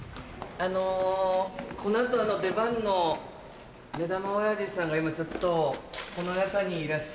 あのこの後出番の目玉おやじさんが今ちょっとこの中にいらっしゃるんですけど。